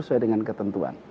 sesuai dengan ketentuan